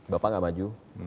bapak gak maju